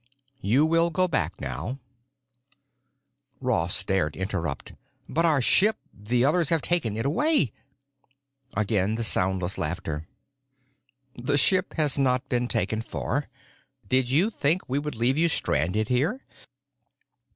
You will go back now——" Ross dared interrupt. "But our ship—the others have taken it away——" Again the soundless laughter. "The ship has not been taken far. Did you think we would leave you stranded here?"